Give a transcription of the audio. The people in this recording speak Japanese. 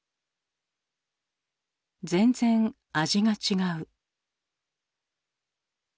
「全然味が違う」。